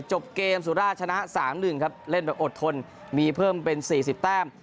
จบเกมสุราชชนะ๓๑ครับเล่นแบบอดทนมีเพิ่มเป็น๔๐แต้ม